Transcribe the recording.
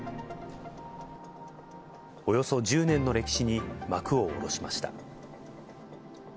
およそ１０年の歴史に幕を下ろしました。